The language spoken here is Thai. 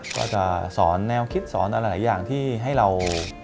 ก็จะสอนแนวคิดสอนอะไรหลายอย่างที่ให้เรา